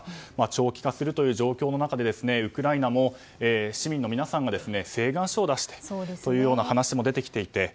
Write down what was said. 長期化するという状況でウクライナも市民の皆さんが請願書を出してというような話も出てきていて。